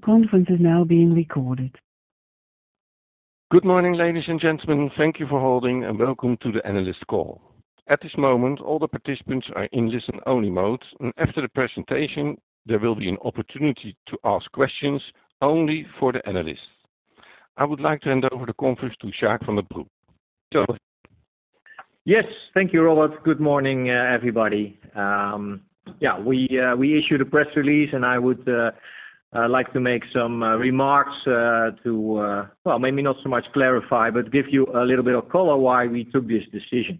Good morning, ladies and gentlemen. Thank you for holding and welcome to the analyst call. At this moment, all the participants are in listen-only mode, and after the presentation, there will be an opportunity to ask questions only for the analysts. I would like to hand over the conference to Jacques van den Broek. Jacques. Yes. Thank you, Robert. Good morning, everybody. We issued a press release. I would like to make some remarks to, maybe not so much clarify, but give you a little bit of color why we took this decision.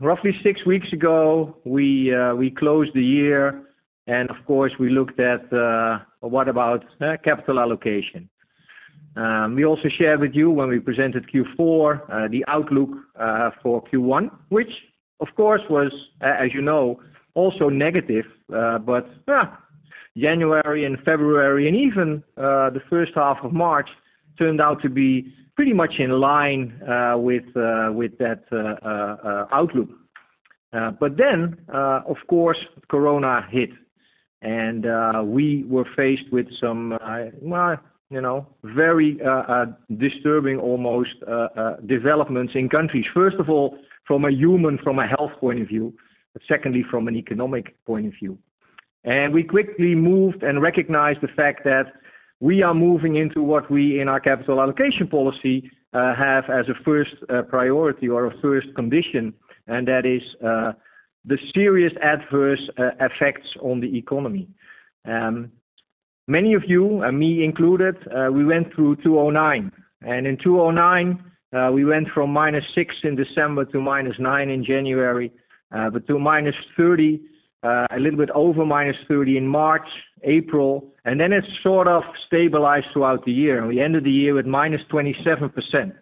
Roughly six weeks ago, we closed the year. Of course, we looked at what about capital allocation. We also shared with you when we presented Q4, the outlook for Q1, which of course was, as you know, also negative. January and February and even the first half of March turned out to be pretty much in line with that outlook. Of course, Corona hit. We were faced with some very disturbing, almost developments in countries. First of all, from a human, from a health point of view. Secondly, from an economic point of view. We quickly moved and recognized the fact that we are moving into what we in our capital allocation policy have as a first priority or a first condition, and that is the serious adverse effects on the economy. Many of you, and me included, we went through 2009, and in 2009, we went from -6 in December to -9 in January. To -30, a little bit over -30 in March, April, and then it sort of stabilized throughout the year, and we ended the year with -27%.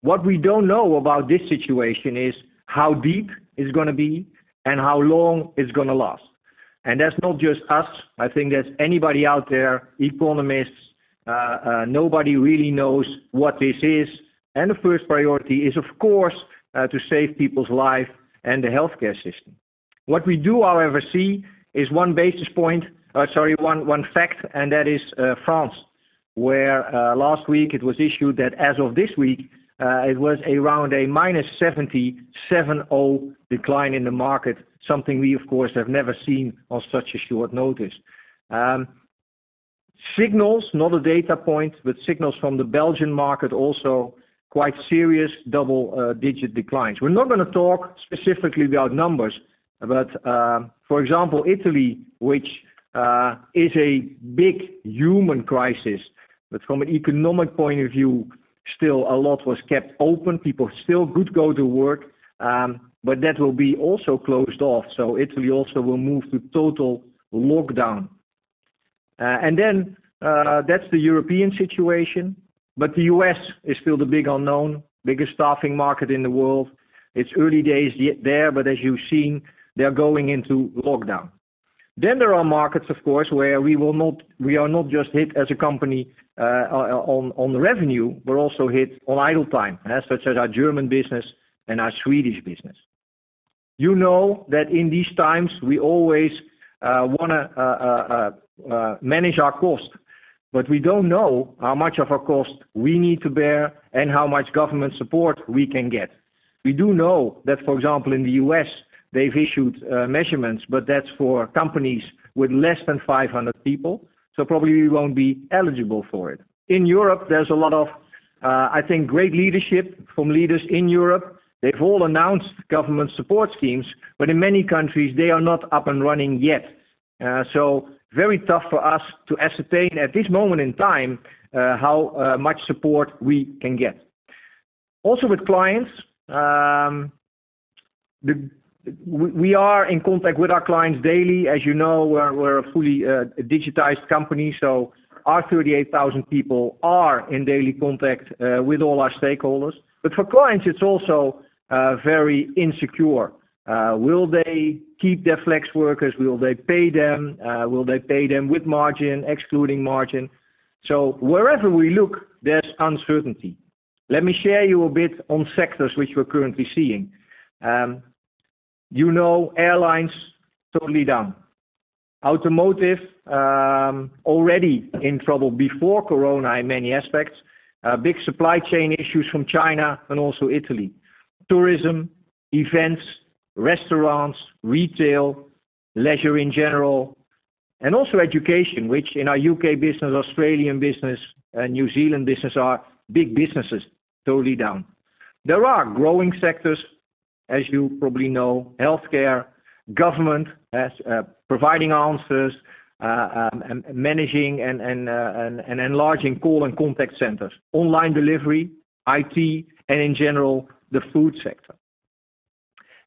What we don't know about this situation is how deep it's going to be and how long it's going to last. That's not just us. I think that's anybody out there, economists. Nobody really knows what this is. The first priority is, of course, to save people's life and the healthcare system. What we do, however, see is one basis point, sorry, one fact, and that is France, where last week it was issued that as of this week, it was around a -77.0% decline in the market, something we of course, have never seen on such a short notice. Signals, not a data point, but signals from the Belgian market also quite serious double-digit declines. We're not going to talk specifically about numbers. For example, Italy, which is a big human crisis, but from an economic point of view, still a lot was kept open. People still could go to work, but that will be also closed off. Italy also will move to total lockdown. That's the European situation, but the U.S. is still the big unknown, biggest staffing market in the world. It's early days yet there, but as you've seen, they're going into lockdown. There are markets, of course, where we are not just hit as a company on the revenue, but also hit on idle time. Such as our German business and our Swedish business. You know that in these times we always want to manage our cost, but we don't know how much of our cost we need to bear and how much government support we can get. We do know that, for example, in the U.S. they've issued measurements, but that's for companies with less than 500 people, so probably we won't be eligible for it. In Europe, there's a lot of, I think, great leadership from leaders in Europe. They've all announced government support schemes, but in many countries they are not up and running yet. Very tough for us to ascertain at this moment in time how much support we can get. We are in contact with our clients daily. As you know, we're a fully digitized company. Our 38,000 people are in daily contact with all our stakeholders. For clients it's also very insecure. Will they keep their flex workers? Will they pay them? Will they pay them with margin? Excluding margin? Wherever we look, there's uncertainty. Let me share you a bit on sectors which we're currently seeing. You know, airlines, totally down. Automotive, already in trouble before Corona in many aspects. Big supply chain issues from China and also Italy. Tourism, events, restaurants, retail, leisure in general and also education, which in our U.K. business, Australian business and New Zealand business are big businesses, totally down. There are growing sectors, as you probably know, healthcare, government as providing answers, and managing and enlarging call and contact centers. Online delivery, IT, and in general, the food sector.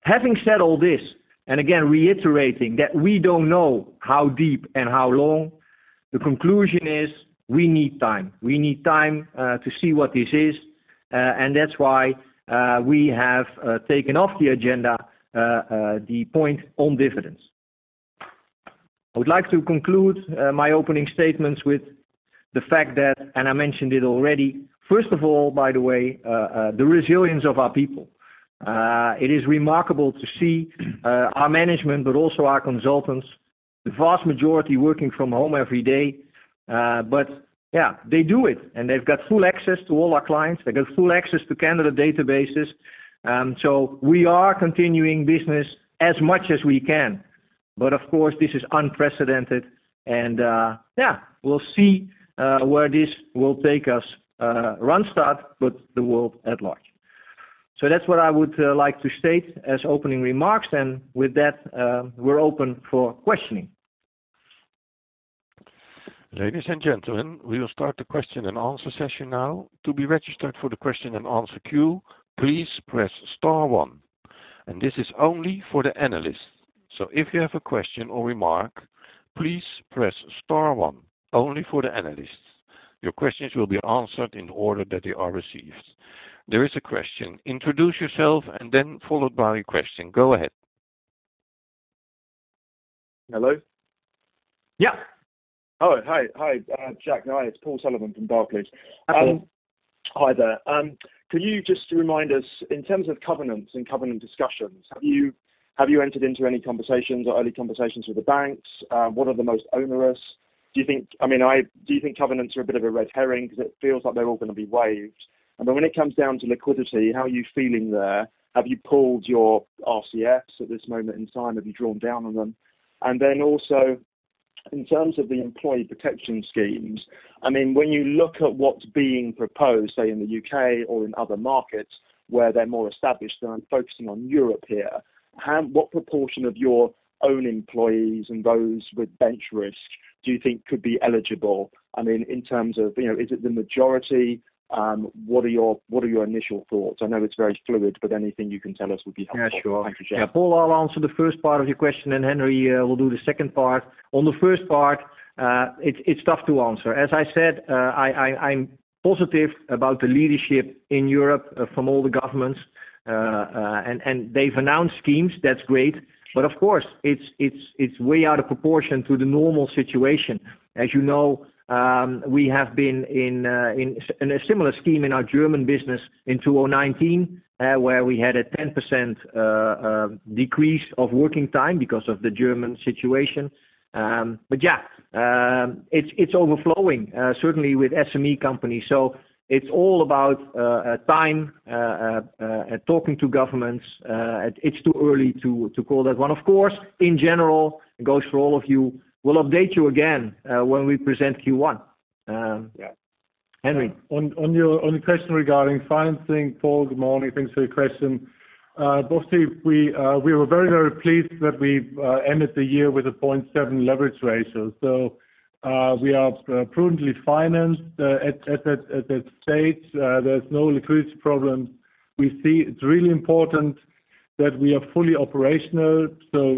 Having said all this, and again reiterating that we don't know how deep and how long, the conclusion is we need time. We need time to see what this is and that's why we have taken off the agenda the point on dividends. I would like to conclude my opening statements with the fact that, and I mentioned it already, first of all, by the way, the resilience of our people. It is remarkable to see our management, but also our consultants, the vast majority working from home every day. Yeah, they do it, and they've got full access to all our clients. They've got full access to candidate databases. We are continuing business as much as we can. Of course, this is unprecedented and, yeah, we'll see where this will take us, Randstad, but the world at large. That's what I would like to state as opening remarks. With that, we're open for questioning. Ladies and gentlemen, we will start the question and answer session now. To be registered for the question and answer queue, please press star one. This is only for the analysts. If you have a question or remark, please press star one, only for the analysts. Your questions will be answered in the order that they are received. There is a question. Introduce yourself and then followed by your question. Go ahead. Hello? Yeah. Hello. Hi. Jacques. No, it's Paul Sullivan from Barclays. Paul. Hi there. Could you just remind us, in terms of covenants and covenant discussions, have you entered into any conversations or early conversations with the banks? What are the most onerous, do you think? Do you think covenants are a bit of a red herring because it feels like they're all going to be waived? When it comes down to liquidity, how are you feeling there? Have you pulled your RCFs at this moment in time? Have you drawn down on them? Also in terms of the employee protection schemes, when you look at what's being proposed, say in the U.K. or in other markets where they're more established, and I'm focusing on Europe here, what proportion of your own employees and those with bench risk do you think could be eligible? In terms of, is it the majority? What are your initial thoughts? I know it's very fluid, but anything you can tell us would be helpful. Yeah, sure. Thank you, Jacques. Yeah. Paul, I'll answer the first part of your question, and Henry will do the second part. On the first part, it's tough to answer. As I said, I'm positive about the leadership in Europe from all the governments. They've announced schemes, that's great. Of course, it's way out of proportion to the normal situation. As you know, we have been in a similar scheme in our German business in 2019, where we had a 10% decrease of working time because of the German situation. Yeah, it's overflowing, certainly with SME companies. It's all about time, talking to governments. It's too early to call that one. Of course, in general, it goes for all of you, we'll update you again, when we present Q1. Yeah. Henry, on your question regarding financing. Paul, good morning. Thanks for your question. Mostly, we were very pleased that we ended the year with a 0.7 leverage ratio. We are prudently financed at that stage. There's no liquidity problem. We see it's really important that we are fully operational.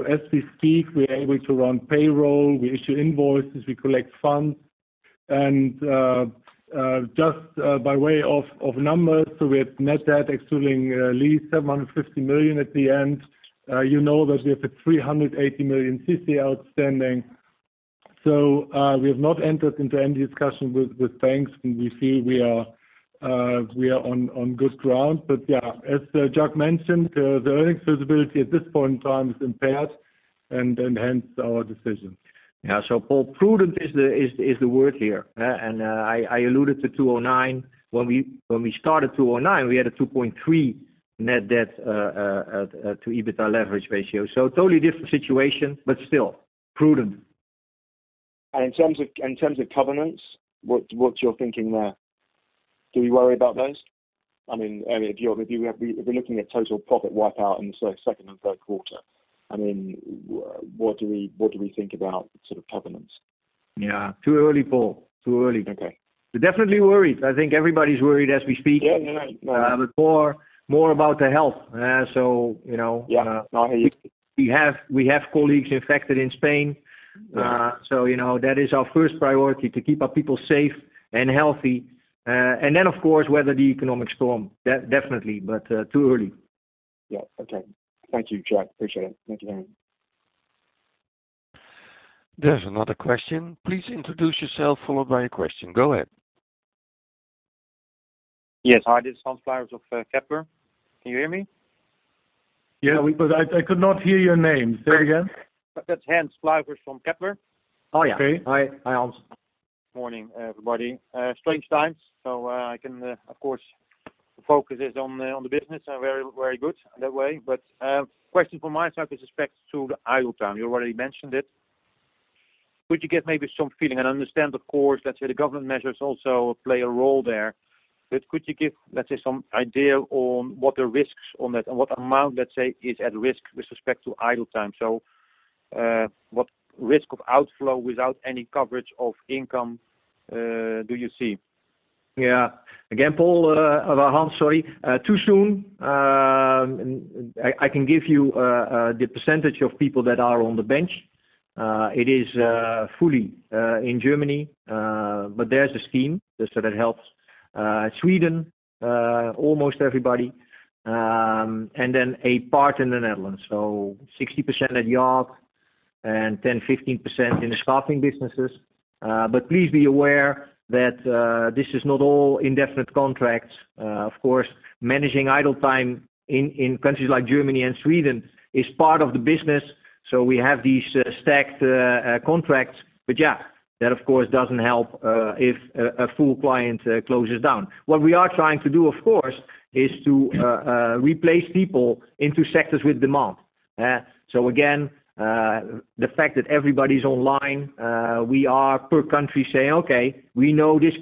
As we speak, we are able to run payroll, we issue invoices, we collect funds. Just by way of numbers, with net debt excluding lease, 750 million at the end. You know that we have a 380 million CP outstanding. We have not entered into any discussion with banks, and we feel we are on good ground. Yeah, as Jacques mentioned, the earnings visibility at this point in time is impaired, and hence our decision. Yeah. Paul, prudent is the word here. I alluded to 2009. When we started 2009, we had a 2.3 net debt to EBITDA leverage ratio. Totally different situation, but still, prudent. In terms of covenants, what's your thinking there? Do we worry about those? If you have been looking at total profit wipe out in the second and third quarter, what do we think about sort of covenants? Yeah. Too early, Paul. Too early. Okay. We're definitely worried. I think everybody's worried as we speak. Yeah. No. More about the health. You know. Yeah. No, I hear you. We have colleagues infected in Spain. Right. That is our first priority, to keep our people safe and healthy. Then, of course, weather the economic storm. Definitely, but too early. Yeah. Okay. Thank you, Jacques. Appreciate it. Thank you very much. There's another question. Please introduce yourself followed by your question. Go ahead. Yes. Hi, this is Hans Pluijgers of Kepler. Can you hear me? Yeah, I could not hear your name. Say it again. That's Hans Pluijgers from Kepler. Oh, yeah. Okay. Hi, Hans. Morning, everybody. Strange times, so of course the focus is on the business and very good that way. Question from my side with respect to the idle time. You already mentioned it. Could you give maybe some feeling, and understand, of course, let's say the government measures also play a role there. Could you give, let's say, some idea on what the risks on that and what amount, let's say, is at risk with respect to idle time? What risk of outflow without any coverage of income do you see? Hans, sorry. Too soon. I can give you the percentage of people that are on the bench. It is fully in Germany, but there's a scheme, so that helps. Sweden almost everybody, and then a part in the Netherlands. 60% at Yacht and 10%-15% in the staffing businesses. Please be aware that this is not all indefinite contracts. Of course, managing idle time in countries like Germany and Sweden is part of the business. We have these stacked contracts. That of course doesn't help if a full client closes down. What we are trying to do, of course, is to replace people into sectors with demand. Again, the fact that everybody's online, we are per country saying, "Okay, we know this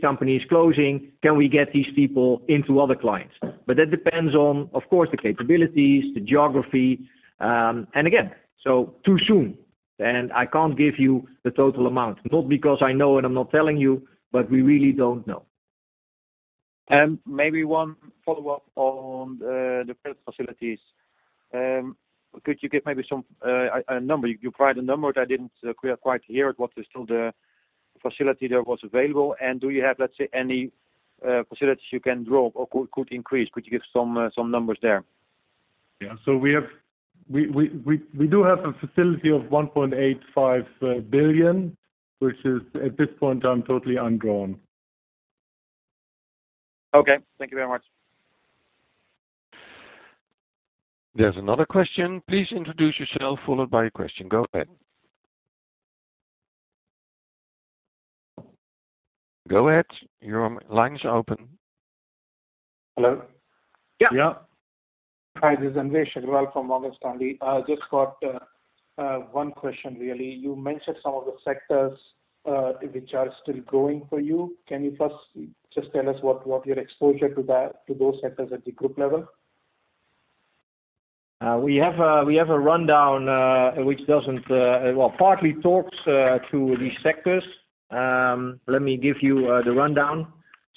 company is closing. Can we get these people into other clients?" That depends on, of course, the capabilities, the geography. Again, so too soon, and I can't give you the total amount, not because I know and I'm not telling you, but we really don't know. Maybe one follow-up on the credit facilities. Could you give maybe a number? You provided a number that I didn't quite hear what is still the facility that was available, and do you have, let's say, any facilities you can draw or could increase? Could you give some numbers there? Yeah. We do have a facility of 1.85 billion, which is at this point in time, totally undrawn. Okay. Thank you very much. There's another question. Please introduce yourself followed by your question. Go ahead. Your line is open. Hello? Yeah. Yeah. Hi, this is Anvesh Agrawal from Morgan Stanley. Just got one question really. You mentioned some of the sectors which are still growing for you. Can you first just tell us what your exposure to those sectors at the group level? We have a rundown which, well, partly talks to these sectors. Let me give you the rundown.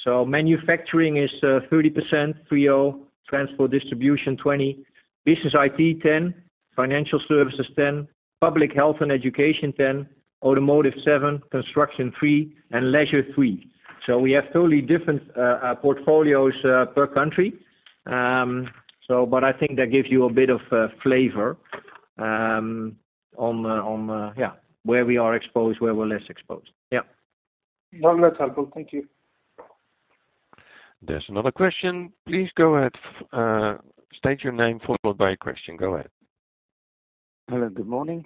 Manufacturing is 30%, 3-0. Transport distribution 20%. Business IT 10%. Financial services 10%. Public health and education 10%. Automotive 7%. Construction 3%. Leisure 3%. We have totally different portfolios per country. I think that gives you a bit of flavor on where we are exposed, where we're less exposed. Yeah. One minute. I'll go. Thank you. There's another question. Please go ahead. State your name followed by a question. Go ahead. Hello. Good morning.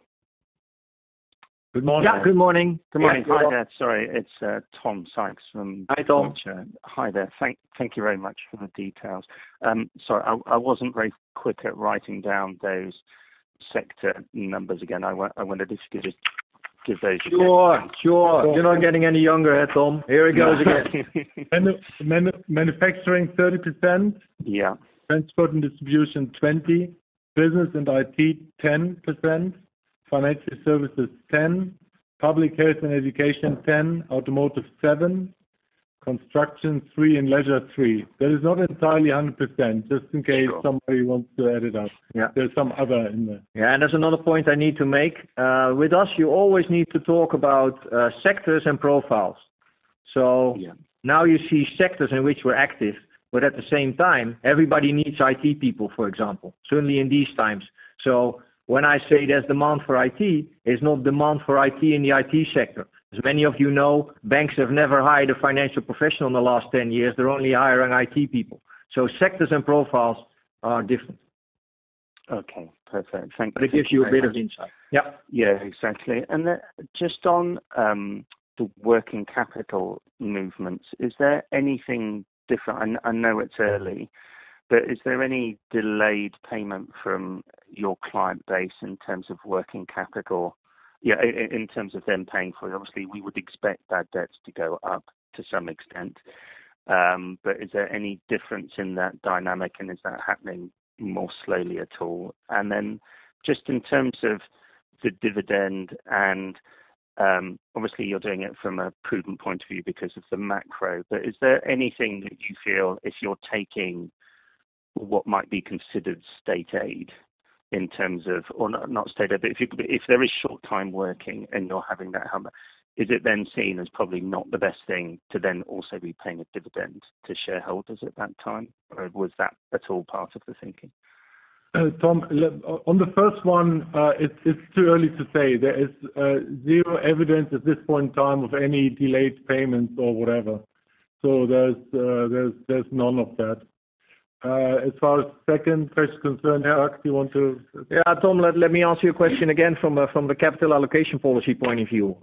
Good morning. Yeah. Good morning. Good morning. Hi there. Sorry. It's Tom Sykes from Deutsche Bank. Hi, Tom. Hi there. Thank you very much for the details. Sorry, I wasn't very quick at writing down those sector numbers again. I want to just give those again. Sure. You're not getting any younger, Tom. Here we go again. Manufacturing, 30%. Yeah. Transport and distribution, 20%. Business and IT, 10%. Financial services, 10%. Public health and education, 10%. Automotive, 7%. Construction, 3%, and leisure, 3%. That is not entirely 100%. Sure somebody wants to add it up. Yeah. There's some other in there. Yeah, there's another point I need to make. With us, you always need to talk about sectors and profiles. Yeah You see sectors in which we're active, but at the same time, everybody needs IT people, for example. Certainly in these times. When I say there's demand for IT, there's no demand for IT in the IT sector. As many of you know, banks have never hired a financial professional in the last 10 years. They're only hiring IT people. Sectors and profiles are different. Okay, perfect. Thank you. It gives you a bit of insight. Yep. Exactly. Then just on the working capital movements, is there anything different? I know it's early, but is there any delayed payment from your client base in terms of working capital? In terms of them paying for it, obviously, we would expect bad debts to go up to some extent. Is there any difference in that dynamic, and is that happening more slowly at all? Then just in terms of the dividend, and obviously you're doing it from a prudent point of view because of the macro, but is there anything that you feel if you're taking what might be considered state aid in terms of Or not state aid, but if there is short time working and you're having that happen, is it then seen as probably not the best thing to then also be paying a dividend to shareholders at that time? Was that at all part of the thinking? Tom, on the first one, it's too early to say. There is zero evidence at this point in time of any delayed payments or whatever. There's none of that. As far as second question concerned, Jacques, do you want to? Yeah, Tom, let me answer your question again from the capital allocation policy point of view.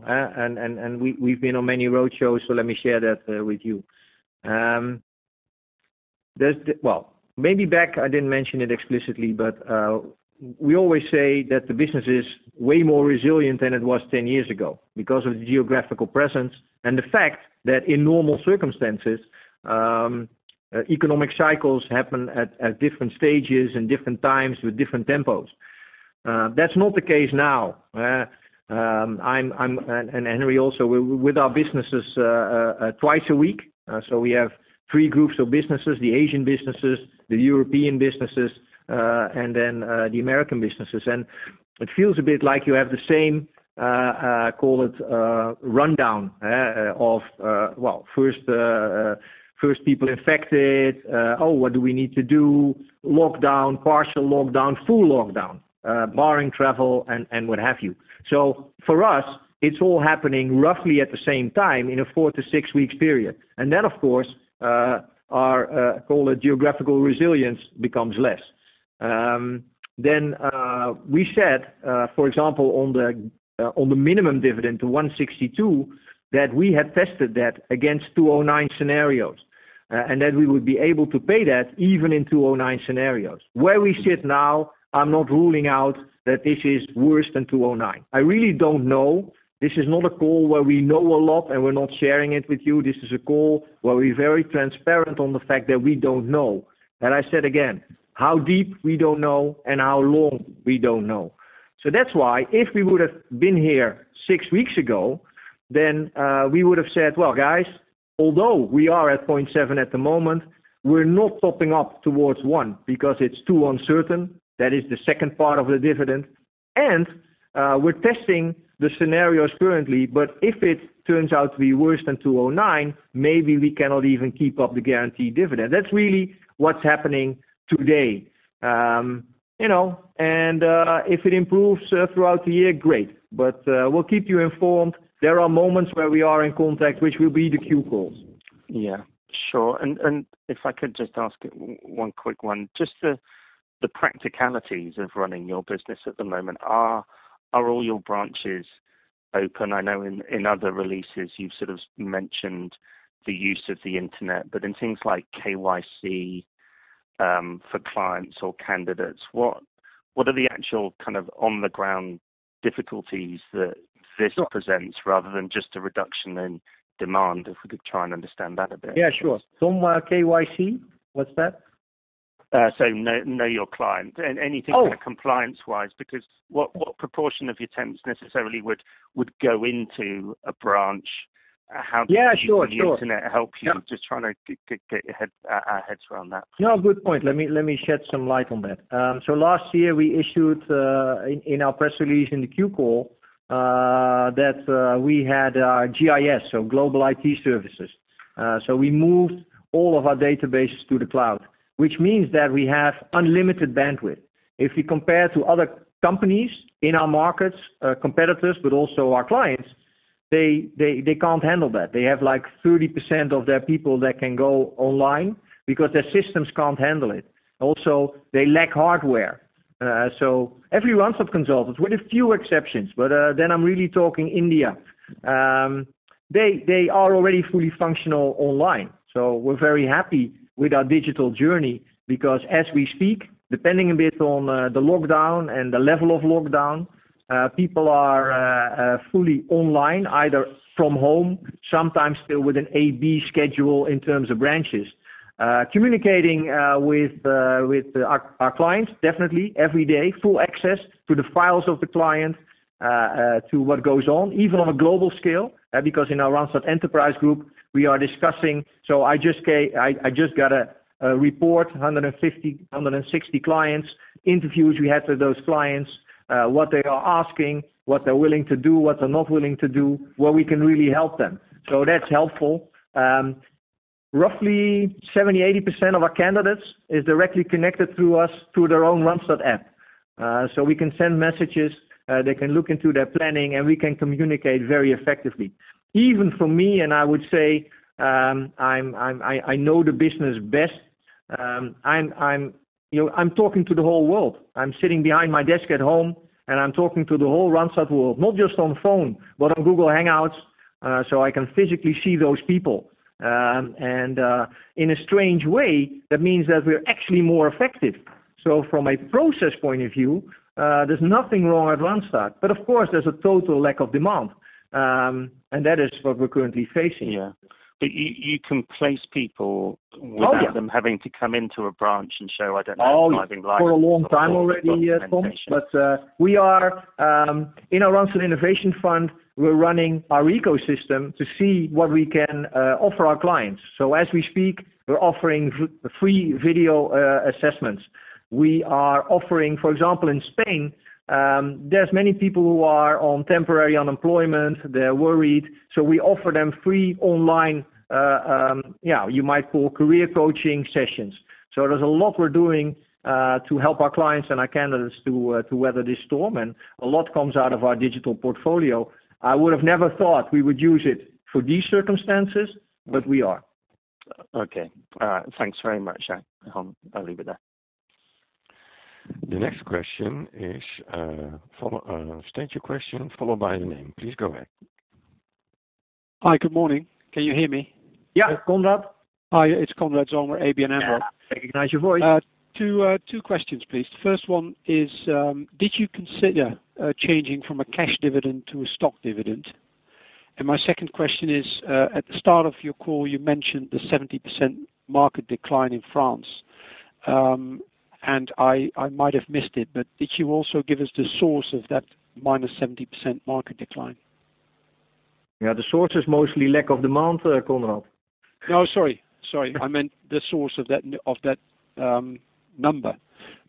We've been on many road shows, so let me share that with you. Well, maybe back, I didn't mention it explicitly, but we always say that the business is way more resilient than it was 10 years ago because of geographical presence and the fact that in normal circumstances, economic cycles happen at different stages and different times with different tempos. That's not the case now. I'm, and Henry also, with our businesses twice a week. We have three groups of businesses, the Asian businesses, the European businesses, and then the American businesses. It feels a bit like you have the same, call it, rundown of first people infected. Oh, what do we need to do? Lockdown, partial lockdown, full lockdown, barring travel and what have you. For us, it's all happening roughly at the same time in a four to six weeks period. Then, of course, our, call it, geographical resilience becomes less. Then we said, for example, on the minimum dividend to 1.62, that we had tested that against 2009 scenarios, and that we would be able to pay that even in 2009 scenarios. Where we sit now, I'm not ruling out that this is worse than 2009. I really don't know. This is not a call where we know a lot and we're not sharing it with you. This is a call where we're very transparent on the fact that we don't know. I said again, how deep we don't know and how long we don't know. That's why if we would've been here six weeks ago, then we would've said, "Well, guys, although we are at 0.7 at the moment, we're not topping up towards one because it's too uncertain." That is the second part of the dividend. We're testing the scenarios currently, but if it turns out to be worse than 2009, maybe we cannot even keep up the guaranteed dividend. That's really what's happening today. If it improves throughout the year, great, but we'll keep you informed. There are moments where we are in contact, which will be the Q calls. Yeah, sure. If I could just ask one quick one, just the practicalities of running your business at the moment. Are all your branches open? I know in other releases you've sort of mentioned the use of the internet, in things like KYC, for clients or candidates, what are the actual kind of on the ground difficulties that this presents rather than just a reduction in demand? If we could try and understand that a bit. Yeah, sure. Tom, KYC, what's that? Know your client. Oh kind of compliance-wise, because what proportion of your temps necessarily would go into a branch? Yeah, sure. Does the internet help you? Yeah. Just trying to get our heads around that. No, good point. Let me shed some light on that. Last year we issued, in our press release in the Q call, that we had our GIS, Global IT Services. We moved all of our databases to the cloud, which means that we have unlimited bandwidth. If we compare to other companies in our markets, competitors, but also our clients, they can't handle that. They have like 30% of their people that can go online because their systems can't handle it. Also, they lack hardware. Every Randstad consultant, with a few exceptions, but then I'm really talking India, they are already fully functional online. We're very happy with our digital journey because as we speak, depending a bit on the lockdown and the level of lockdown, people are fully online, either from home, sometimes still with an A/B schedule in terms of branches. Communicating with our clients, definitely every day, full access to the files of the client, to what goes on, even on a global scale, because in our Randstad Enterprise group, we are discussing. I just got a report, 150, 160 clients, interviews we had with those clients, what they are asking, what they're willing to do, what they're not willing to do, where we can really help them. That's helpful. Roughly 70%-80% of our candidates is directly connected through us through their own Randstad app. We can send messages, they can look into their planning, and we can communicate very effectively. Even for me, and I would say I know the business best, I'm talking to the whole world. I'm sitting behind my desk at home and I'm talking to the whole Randstad world, not just on phone, but on Google Hangouts, so I can physically see those people. In a strange way, that means that we're actually more effective. From a process point of view, there's nothing wrong at Randstad. Of course, there's a total lack of demand, and that is what we're currently facing. Yeah. You can place people. Oh, yeah. without them having to come into a branch and show, I don't know, driving license or documentation. For a long time already, Tom. In our Randstad Innovation Fund, we're running our ecosystem to see what we can offer our clients. As we speak, we're offering free video assessments. We are offering, for example, in Spain there's many people who are on temporary unemployment. They're worried. We offer them free online career coaching sessions. There's a lot we're doing to help our clients and our candidates to weather this storm and a lot comes out of our digital portfolio. I would have never thought we would use it for these circumstances, but we are. Okay. All right. Thanks very much, Jacques. I'll leave it there. The next question is state your question followed by your name. Please go ahead. Hi. Good morning. Can you hear me? Yeah, Konrad. Hi, it's Konrad Zomer with ABN AMRO. Yeah, I recognize your voice. Two questions, please. The first one is did you consider changing from a cash dividend to a stock dividend? My second question is at the start of your call you mentioned the 70% market decline in France. I might have missed it, but did you also give us the source of that -70% market decline? Yeah, the source is mostly lack of demand, Konrad. No, sorry. I meant the source of that number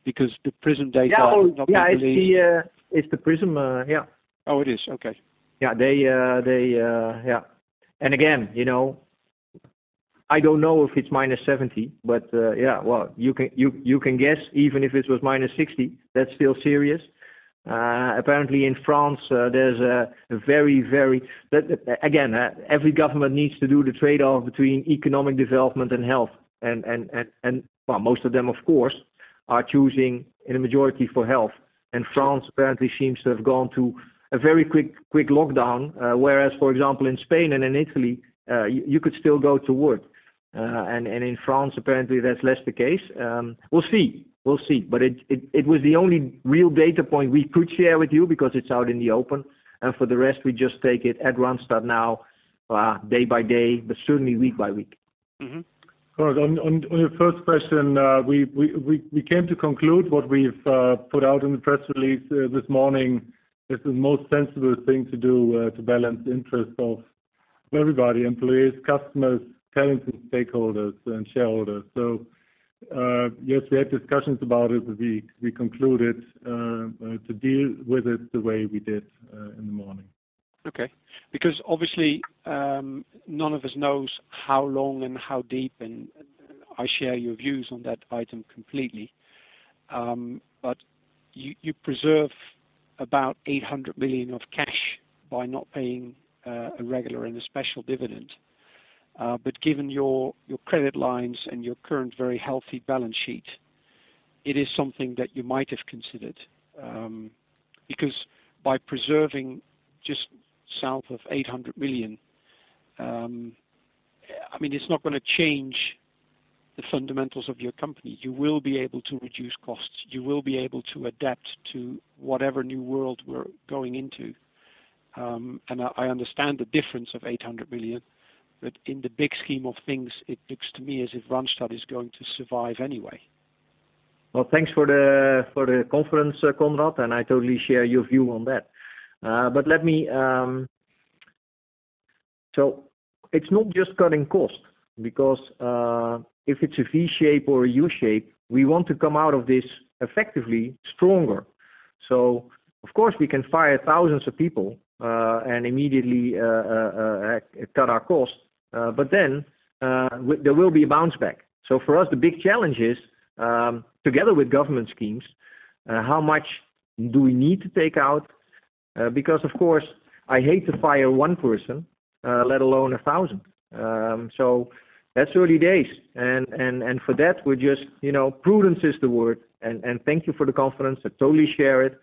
because the Prism data is not publicly- Yeah, I see. It's the Prism, yeah. Oh, it is. Okay. Yeah. Again, I don't know if it's -70%, but you can guess even if it was -60%, that's still serious. Every government needs to do the trade-off between economic development and health and most of them, of course, are choosing in a majority for health. France apparently seems to have gone to a very quick lockdown. Whereas for example, in Spain and in Italy you could still go to work. In France, apparently that's less the case. We'll see. It was the only real data point we could share with you because it's out in the open and for the rest we just take it at Randstad now day by day, but certainly week by week. On your first question we came to conclude what we've put out in the press release this morning is the most sensible thing to do to balance interest of everybody, employees, customers, clients, and stakeholders, and shareholders. Yes, we had discussions about it, but we concluded to deal with it the way we did in the morning. Okay. Obviously none of us knows how long and how deep and I share your views on that item completely. You preserve about 800 million of cash by not paying a regular and a special dividend. Given your credit lines and your current very healthy balance sheet, it is something that you might have considered because by preserving just south of 800 million it's not going to change the fundamentals of your company. You will be able to reduce costs. You will be able to adapt to whatever new world we're going into. I understand the difference of 800 million, but in the big scheme of things, it looks to me as if Randstad is going to survive anyway. Well, thanks for the confidence, Konrad, and I totally share your view on that. It's not just cutting cost because if it's a V shape or a U shape, we want to come out of this effectively stronger. Of course we can fire thousands of people and immediately cut our cost but then there will be a bounce back. For us, the big challenge is together with government schemes how much do we need to take out because, of course, I hate to fire one person let alone a thousand. That's early days and for that prudence is the word and thank you for the confidence. I totally share it.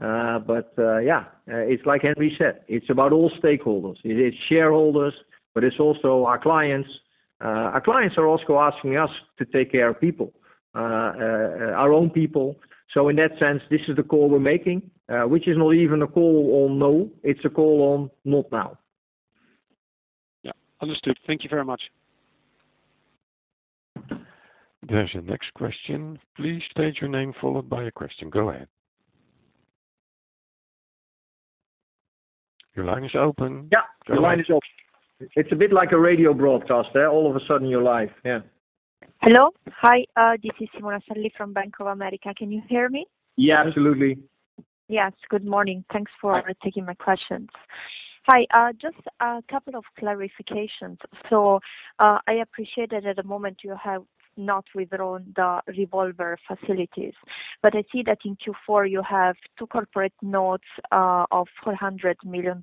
Yeah, it's like Henry said, it's about all stakeholders. It is shareholders, but it's also our clients. Our clients are also asking us to take care of people, our own people. In that sense, this is the call we're making, which is not even a call on no, it's a call on not now. Yeah. Understood. Thank you very much. There's a next question. Please state your name followed by a question. Go ahead. Your line is open. Yeah. Go ahead. The line is open. It's a bit like a radio broadcast, all of a sudden you're live. Yeah. Hello. Hi, this is Simona Sarli from Bank of America. Can you hear me? Yeah, absolutely. Yes. Good morning. Thanks for taking my questions. Hi, just a couple of clarifications. I appreciate that at the moment you have not withdrawn the revolver facilities, but I see that in Q4 you have two corporate notes of $400 million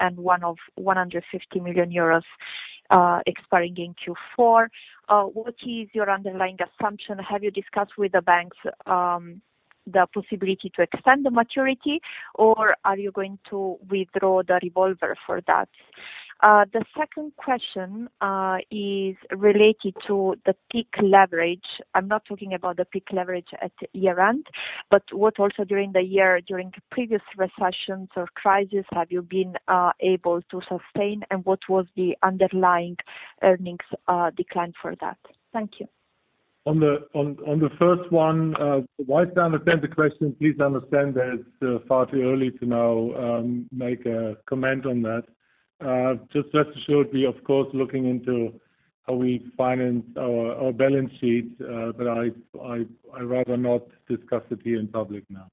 and one of 150 million euros expiring in Q4. What is your underlying assumption? Have you discussed with the banks the possibility to extend the maturity, or are you going to withdraw the revolver for that? The second question is related to the peak leverage. I am not talking about the peak leverage at year-end, but what also during the year, during previous recessions or crisis, have you been able to sustain, and what was the underlying earnings decline for that? Thank you. On the first one, while I understand the question, please understand that it's far too early to now make a comment on that. Just rest assured we, of course, are looking into how we finance our balance sheets, but I'd rather not discuss it here in public now.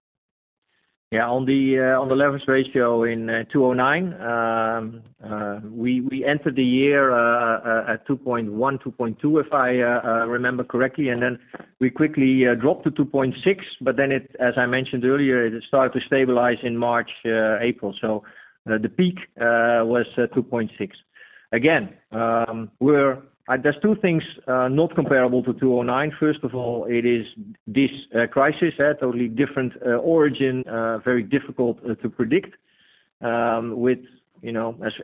On the leverage ratio in 2009, we entered the year at 2.1, 2.2, if I remember correctly, and then we quickly dropped to 2.6, but then as I mentioned earlier, it started to stabilize in March, April. The peak was 2.6. Again, there's two things not comparable to 2009. First of all, it is this crisis had totally different origin, very difficult to predict with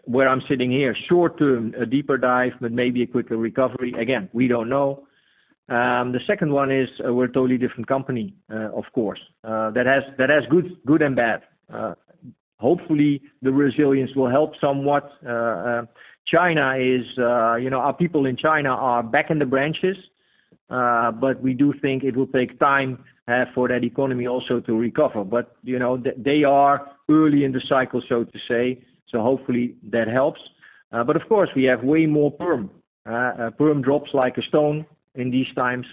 where I'm sitting here, short term, a deeper dive, but maybe a quicker recovery. Again, we don't know. The second one is we're a totally different company, of course. That has good and bad. Hopefully, the resilience will help somewhat. Our people in China are back in the branches, but we do think it will take time for that economy also to recover. They are early in the cycle, so to say, so hopefully that helps. Of course, we have way more perm. Perm drops like a stone in these times,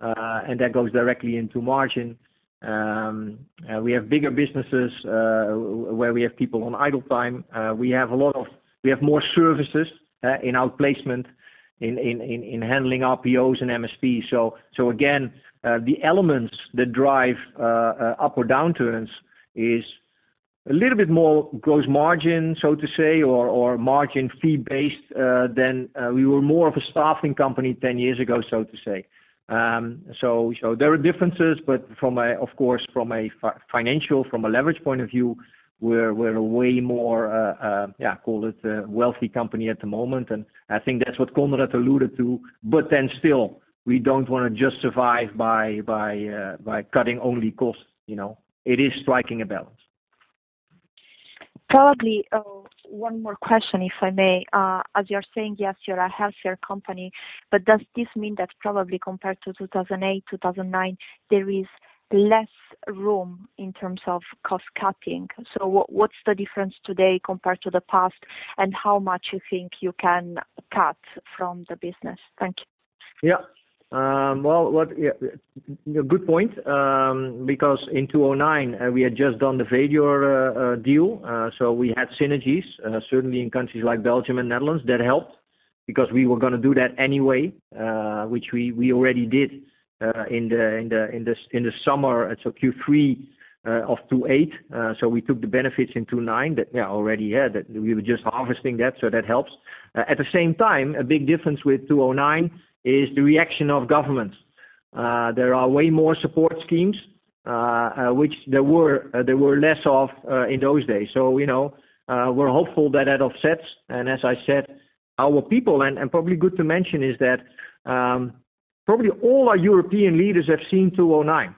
and that goes directly into margin. We have bigger businesses, where we have people on idle time. We have more services in outplacement, in handling RPOs and MSPs. Again, the elements that drive up or downturns is a little bit more gross margin, so to say, or margin fee-based, than we were more of a staffing company 10 years ago, so to say. There are differences, but of course, from a financial, from a leverage point of view, we're a way more, call it a wealthy company at the moment, and I think that's what Konrad alluded to. Still, we don't want to just survive by cutting only costs. It is striking a balance. Probably, one more question, if I may. As you're saying, yes, you're a healthier company, does this mean that probably compared to 2008, 2009, there is less room in terms of cost cutting? What's the difference today compared to the past, and how much you think you can cut from the business? Thank you. Yeah. Well, good point, because in 2009, we had just done the Vedior deal, so we had synergies, certainly in countries like Belgium and Netherlands. That helped, because we were going to do that anyway, which we already did in the summer, so Q3 of 2008. We took the benefits in 2009 that we already had. We were just harvesting that, so that helps. At the same time, a big difference with 2009 is the reaction of governments. There are way more support schemes, which there were less of in those days. We're hopeful that that offsets. As I said, our people, and probably good to mention is that probably all our European leaders have seen 2009.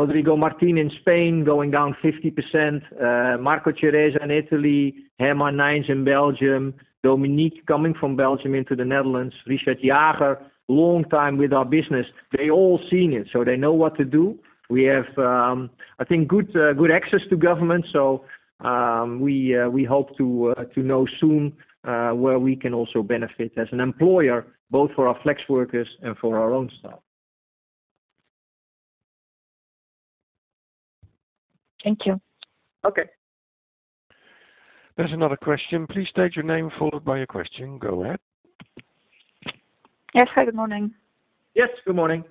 Rodrigo Martín in Spain going down 50%, Marco Ceresa in Italy, Herman Nijns in Belgium, Dominique coming from Belgium into the Netherlands, Richard Jager, long time with our business. They all seen it, so they know what to do. We have, I think, good access to government. We hope to know soon where we can also benefit as an employer, both for our flex workers and for our own staff. Thank you. Okay. There's another question. Please state your name followed by your question. Go ahead. Yes. Good morning. Yes. Good morning.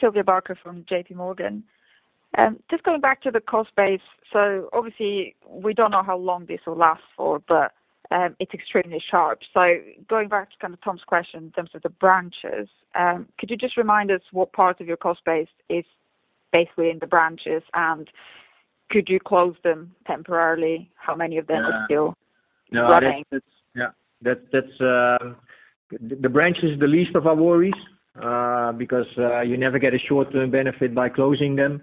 Sylvia Barker from JPMorgan. Just going back to the cost base. Obviously we don't know how long this will last for. It's extremely sharp. Going back to Tom's question in terms of the branches, could you just remind us what part of your cost base is basically in the branches, and could you close them temporarily? How many of them are still running? The branch is the least of our worries, because you never get a short-term benefit by closing them.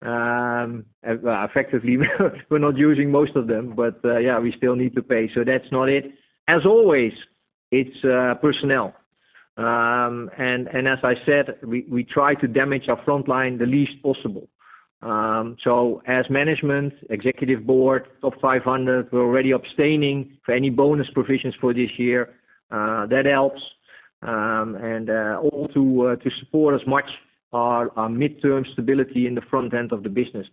Effectively, we're not using most of them, but yeah, we still need to pay. That's not it. As always, it's personnel. As I said, we try to damage our frontline the least possible. As management, executive board, top 500, we're already abstaining for any bonus provisions for this year. That helps. All to support as much our mid-term stability in the front end of the business.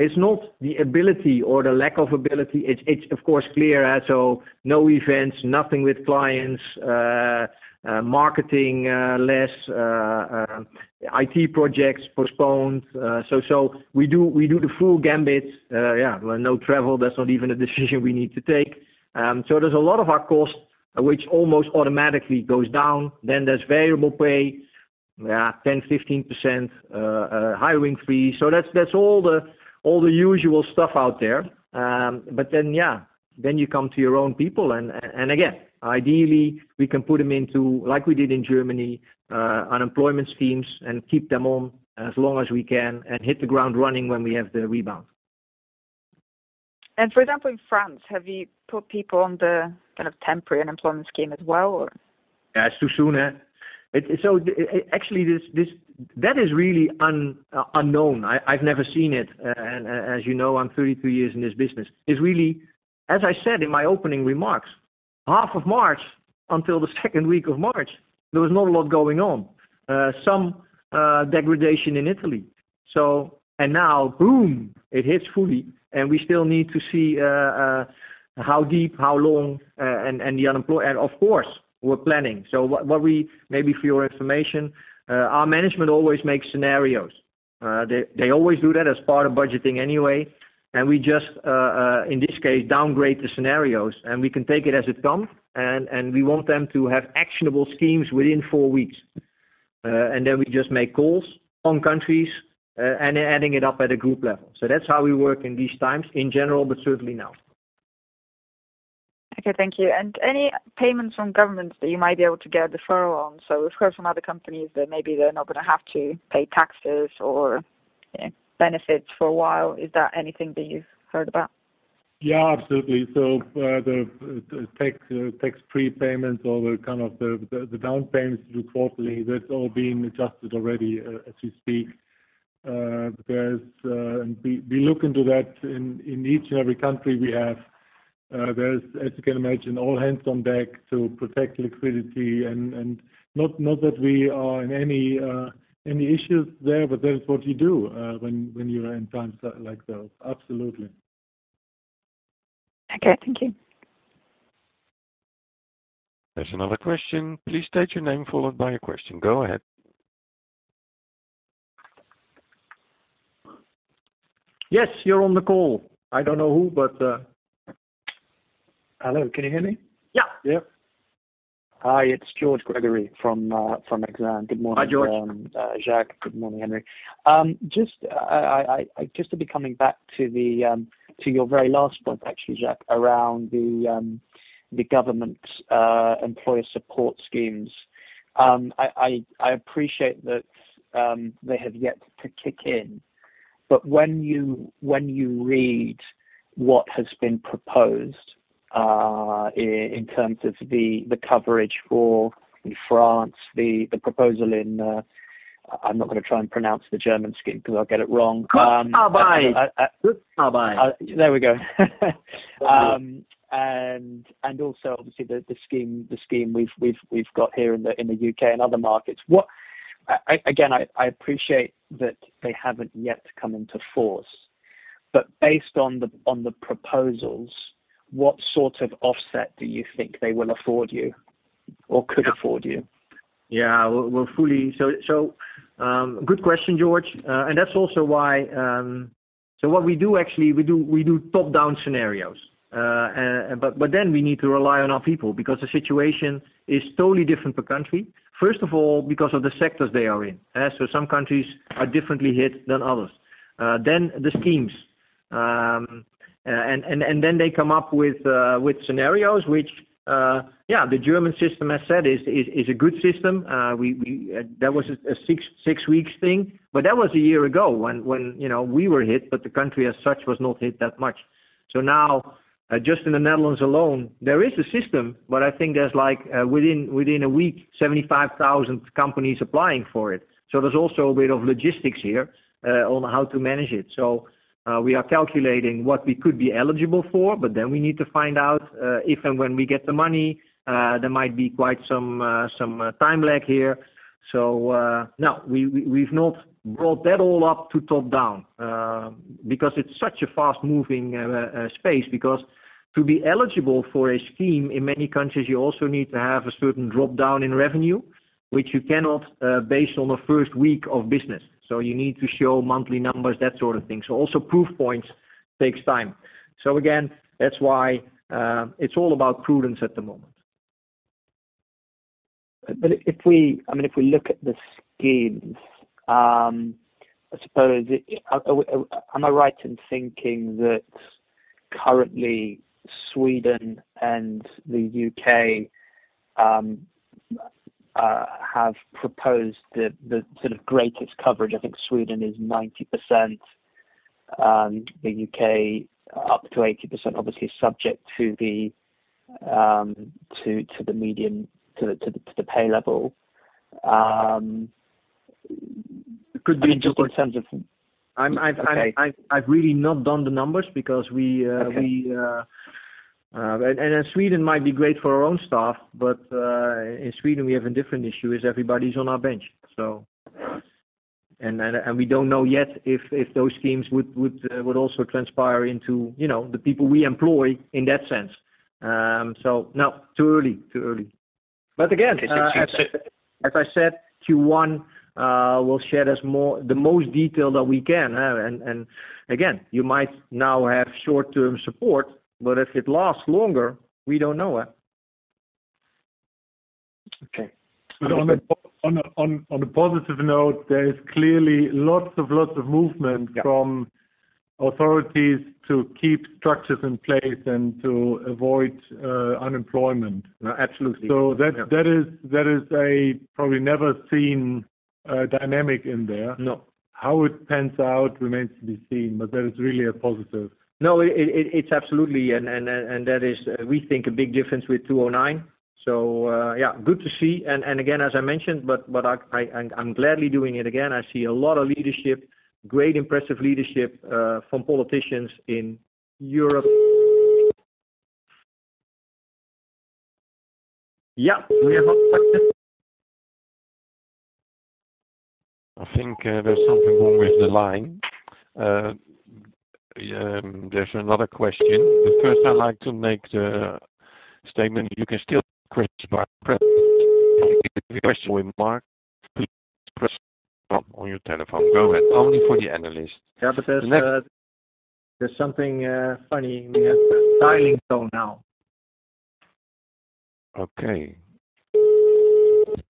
It's not the ability or the lack of ability. It's of course clear as such, no events, nothing with clients, marketing less, IT projects postponed. We do the full gamut. Yeah. No travel. That's not even a decision we need to take. There's a lot of our cost which almost automatically goes down. There's variable pay, yeah, 10%-15%, hiring freeze. That's all the usual stuff out there. Then, yeah, then you come to your own people and again, ideally we can put them into, like we did in Germany, unemployment schemes and keep them on as long as we can and hit the ground running when we have the rebound. For example, in France, have you put people on the kind of temporary unemployment scheme as well or? It's too soon. Actually, that is really unknown. I've never seen it, and as you know, I'm 33 years in this business. As I said in my opening remarks, half of March until the second week of March, there was not a lot going on. Some degradation in Italy. Now, boom. It hits fully and we still need to see how deep, how long, and the unemployed. Of course, we're planning. Maybe for your information, our management always makes scenarios. They always do that as part of budgeting anyway, and we just, in this case, downgrade the scenarios, and we can take it as it comes, and we want them to have actionable schemes within four weeks. We just make calls on countries and adding it up at a group level. That's how we work in these times in general, but certainly now. Okay, thank you. Any payments from governments that you might be able to get a deferral on? We've heard from other companies that maybe they're not going to have to pay taxes or benefits for a while. Is that anything that you've heard about? Yeah, absolutely. The tax-free payments or the kind of down payments due quarterly, that's all been adjusted already as we speak. We look into that in each and every country we have. There's, as you can imagine, all hands on deck to protect liquidity and not that we are in any issues there, but that is what you do when you are in times like those. Absolutely. Okay. Thank you. There's another question. Please state your name followed by your question. Go ahead. Yes, you're on the call. I don't know who, but. Hello, can you hear me? Yeah. Yeah. Hi, it's George Gregory from Exane. Good morning. Hi, George Jacques. Good morning, Henry. Just to be coming back to your very last point, actually, Jacques, around the government's employee support schemes. I appreciate that they have yet to kick in, but when you read what has been proposed, in terms of the coverage for France, the proposal in, I'm not going to try and pronounce the German scheme because I'll get it wrong. Kurzarbeit. There we go. Also obviously the scheme we've got here in the U.K. and other markets. Again, I appreciate that they haven't yet come into force, but based on the proposals, what sort of offset do you think they will afford you or could afford you? Good question, George. What we do actually, we do top-down scenarios. Then we need to rely on our people because the situation is totally different per country. First of all, because of the sectors they are in. Some countries are differently hit than others. Then the schemes. Then they come up with scenarios which, yeah, the German system, as said, is a good system. That was a six weeks thing, but that was a year ago when we were hit but the country as such was not hit that much. Now, just in the Netherlands alone, there is a system, but I think there's like within a week, 75,000 companies applying for it. There's also a bit of logistics here on how to manage it. We are calculating what we could be eligible for, but then we need to find out if and when we get the money. There might be quite some time lag here. No, we've not brought that all up to top-down, because it's such a fast-moving space because to be eligible for a scheme in many countries you also need to have a certain drop down in revenue, which you cannot based on the first week of business. You need to show monthly numbers, that sort of thing. Also proof points takes time. Again, that's why it's all about prudence at the moment. If we look at the schemes, am I right in thinking that currently Sweden and the U.K. have proposed the greatest coverage? I think Sweden is 90%, the U.K. up to 80%, obviously subject to the pay level. Could we do it in terms of? I've really not done the numbers because. Okay. Sweden might be great for our own staff, but in Sweden, we have a different issue, is everybody's on our bench. We don't know yet if those schemes would also transpire into the people we employ in that sense. No, too early. Again I see. As I said, Q1 will share the most detail that we can. Again, you might now have short-term support, but if it lasts longer, we don't know it. Okay. On a positive note, there is clearly lots of movement. Yeah from authorities to keep structures in place and to avoid unemployment. Absolutely. That is a probably never seen dynamic in there. No. How it pans out remains to be seen, but that is really a positive. No, it's absolutely, and that is, we think, a big difference with 2009. Yeah, good to see. Again, as I mentioned, but I'm gladly doing it again, I see a lot of leadership, great, impressive leadership from politicians in Europe. Yeah, we have not touched it. I think there's something wrong with the line. There's another question. First, I'd like to make the statement, you can still create by pressing question remark, put on your telephone. Go ahead, only for the analyst. Yeah, there's something funny. We have a dialing tone now. Okay.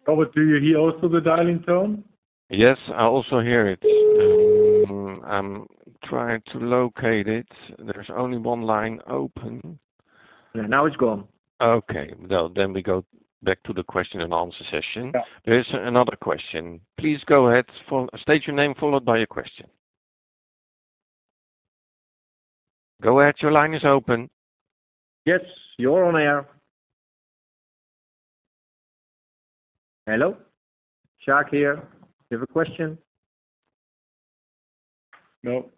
Robert, do you hear also the dialing tone? Yes, I also hear it. I'm trying to locate it. There's only one line open. Now it's gone. Okay. Well, we go back to the question and answer session. Yeah. There's another question. Please go ahead. State your name followed by your question. Go ahead, your line is open. Yes, you're on air. Hello? Jacques here. You have a question? No.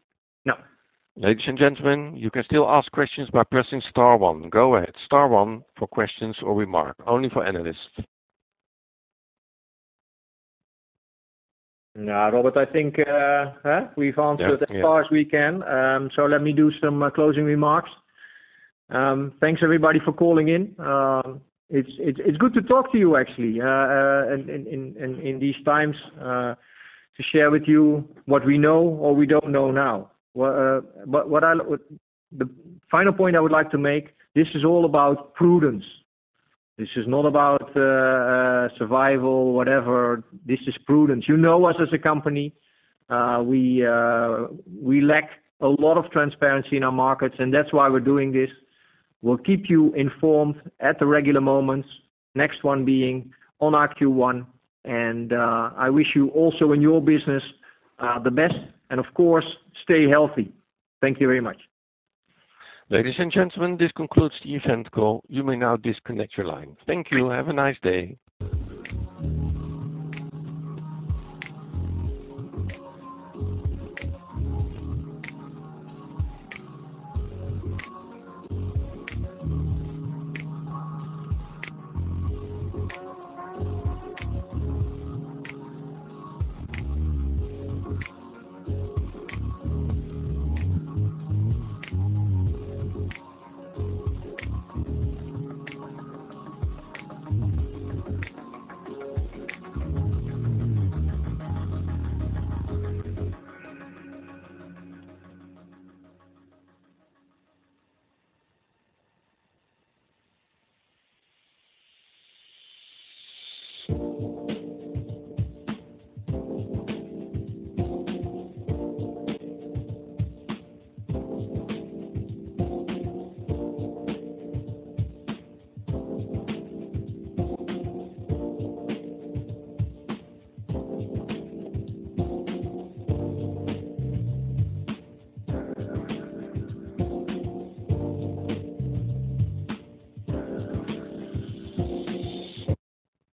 No. Ladies and gentlemen, you can still ask questions by pressing star one. Go ahead, star one for questions or remarks, only for analysts. No, Robert, I think we've answered- Yeah as far as we can. Let me do some closing remarks. Thanks everybody for calling in. It's good to talk to you, actually, in these times, to share with you what we know or we don't know now. The final point I would like to make, this is all about prudence. This is not about survival, whatever. This is prudence. You know us as a company. We lack a lot of transparency in our markets, and that's why we're doing this. We'll keep you informed at the regular moments, next one being on our Q1. I wish you also in your business the best, and of course, stay healthy. Thank you very much. Ladies and gentlemen, this concludes the event call. You may now disconnect your line. Thank you. Have a nice day.